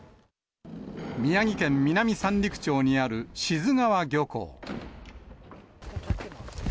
宮城県南三陸町にある志津川漁港。